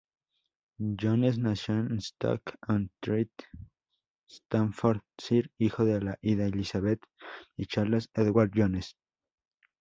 Jones nació en Stoke-on-Trent, Staffordshire, hijo de Ida Elizabeth y Charles Edward Jones.